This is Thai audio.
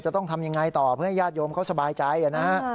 ต้องทำยังไงต่อเพื่อให้ญาติโยมเขาสบายใจนะฮะ